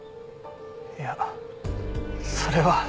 いやそれは。